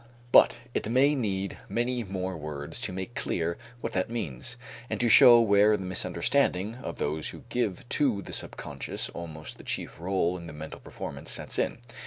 But it may need many more words to make clear what that means, and to show where the misunderstanding of those who give to the subconscious almost the chief rôle in the mental performance sets in.